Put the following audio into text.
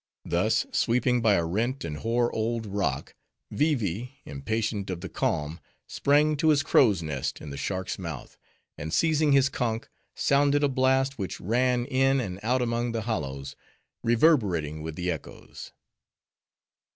Thus sweeping by a rent and hoar old rock, Vee Vee, impatient of the calm, sprang to his crow's nest in the shark's mouth, and seizing his conch, sounded a blast which ran in and out among the hollows, reverberating with the echoes.